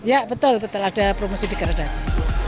ya betul betul ada promosi degradasi